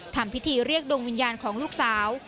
ทำพิธีเรียกดวงวิญญาณของลูกสาว